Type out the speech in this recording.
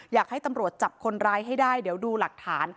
อยากให้ตำรวจจับคนร้ายให้ได้เดี๋ยวดูหลักฐาน